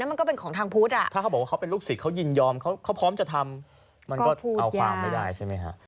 มันก็เอาความไม่ได้ใช่ไหมคะ